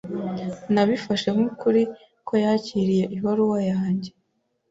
Nabifashe nk'ukuri ko yakiriye ibaruwa yanjye.